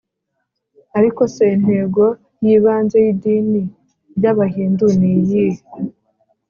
ariko se intego y’ibanze y’idini ry’abahindu ni iyihe?